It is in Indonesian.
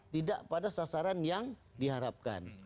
tidak pada sasaran yang diharapkan